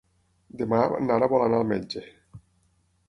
Demà na Nara vol anar al metge.